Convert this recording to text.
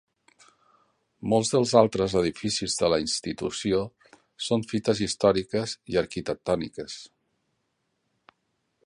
Molts dels altres edificis de la Institució són fites històriques i arquitectòniques.